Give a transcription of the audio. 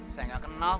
saya gak kenal